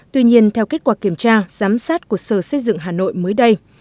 tuy nhiên theo kết quả kiểm tra giám sát của sở xây dựng hà nội mới đây